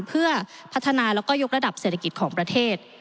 เพื่อพัฒนาแล้วก็ยกระดับเศรษฐกิจของประเทศ